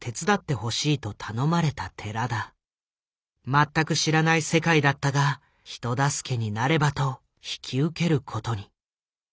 全く知らない世界だったが人助けになればと引き受けることに。